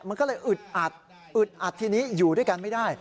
มันก็เลยอึดอัดอึดอัดทีนี้อยู่ด้วยกันไม่ได้